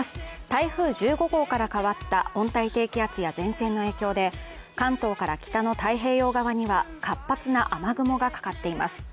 台風１５号から変わった温帯低気圧や前線の影響で関東から北の太平洋側には活発な雨雲がかかっています。